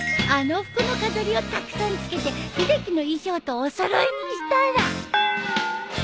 あの服の飾りをたくさん付けて秀樹の衣装とお揃いにしたら！